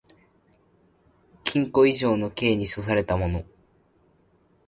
禁錮以上の刑に処せられた者